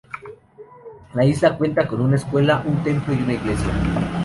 La isla cuenta con una escuela, un templo y una iglesia.